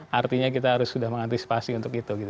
jadi kita harus sudah mengantisipasi untuk itu